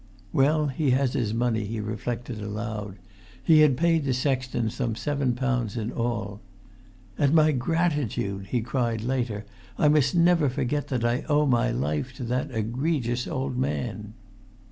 "Well, he has his money," he reflected aloud: he had paid the sexton some seven pounds in all. "And my gratitude!" he cried later. "I must never forget that I owe my life to that egregious old man."